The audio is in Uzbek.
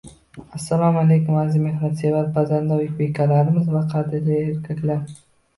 Assalomu alaykum aziz mehnatsevar, pazanda uy bekalarimiz va qadrli erkaklar.